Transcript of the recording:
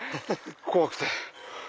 怖くて。